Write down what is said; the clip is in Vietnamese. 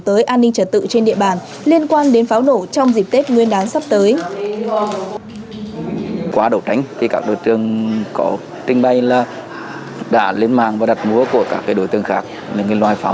tới an ninh trật tự trên địa bàn liên quan đến pháo nổ trong dịp tết nguyên đán sắp tới